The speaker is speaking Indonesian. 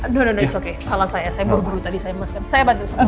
no no no it's okay salah saya saya buru buru tadi saya emas saya bantu